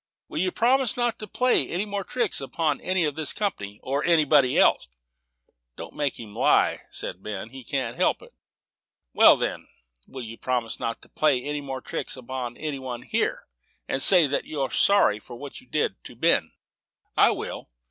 Will you promise not to play any more tricks upon any of this company, or anybody else?" "Don't make him lie," said Ben; "he can't help it." "Well, then, will you promise not to play any more upon any one here, and say that you are sorry for what you did to Ben?" "I will."